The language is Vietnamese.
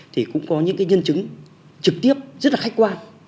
thì cũng có những cái nhân chứng trực tiếp rất là khách quan